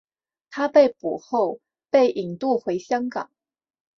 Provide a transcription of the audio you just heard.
他被捕后被引渡回香港。